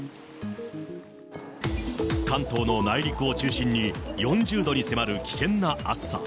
関東の内陸を中心に、４０度に迫る危険な暑さ。